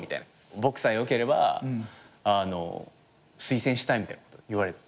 僕さえよければ推薦したいみたいなこと言われて。